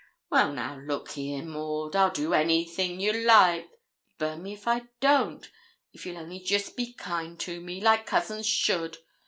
'Well, now, look here, Maud; I'll do anything you like burn me if I don't if you'll only jest be kind to me, like cousins should.